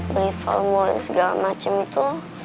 beli formu dan segala macem itu